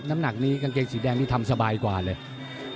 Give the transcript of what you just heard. น้ำหนักนี้กางเกงสีแดงนี่ทำสบายกว่าเลย